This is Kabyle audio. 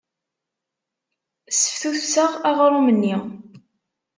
Sseftutseɣ aɣrum-nni.